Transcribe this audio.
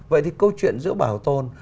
vậy thì câu chuyện giữa bảo tồn